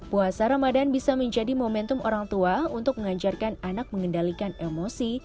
puasa ramadan bisa menjadi momentum orang tua untuk mengajarkan anak mengendalikan emosi